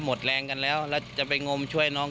หมดแรงกันแล้วแล้วจะไปงมช่วยน้อง